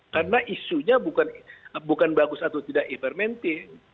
karena isunya bukan bagus atau tidak ivermintil